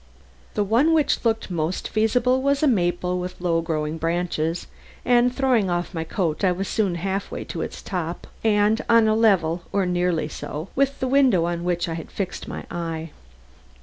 The one which looked most feasible was a maple with low growing branches, and throwing off my coat I was soon half way to its top and on a level, or nearly so, with the window on which I had fixed my eye.